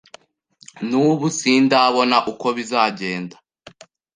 Nubu sindabona uko bizagenda.